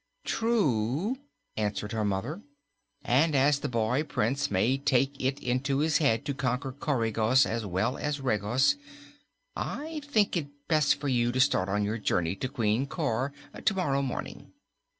"True," answered her mother, "and, as the boy Prince may take it into his head to conquer Coregos, as well as Regos, I think it best for you to start on your journey to Queen Cor tomorrow morning.